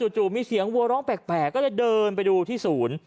จู่มีเสียงวัวร้องแปลกก็เลยเดินไปดูที่ศูนย์